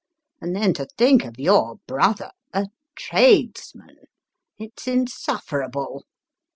And then to think of your brother a tradesman it's insufferable